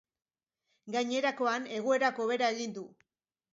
Gainerakoan, egoerak hobera egin du.